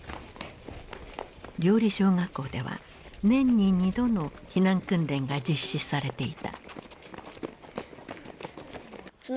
綾里小学校では年に２度の避難訓練が実施されていた。